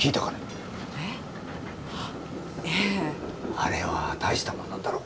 あれは大したもんなんだろう？